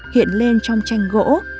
hiện lên trong tranh gỗ